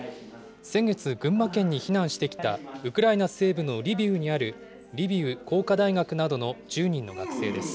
先月、群馬県に避難してきた、ウクライナ西部のリビウにあるリビウ工科大学などの１０人の学生です。